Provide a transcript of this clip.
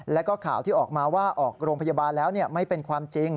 แล้วก็ข่าวที่ออกมาว่าออกโรงพยาบาลแล้วไม่เป็นความจริง